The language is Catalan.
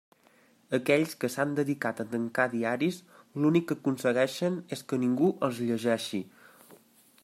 Aquells que s'han dedicat a tancar diaris l'únic que aconsegueixen és que ningú els llegeixi.